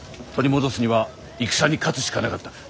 取り戻すには戦に勝つしかなかった。